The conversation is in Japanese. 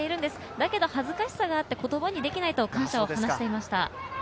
だけど恥ずかしさがあって言葉にできないと感謝を話していました。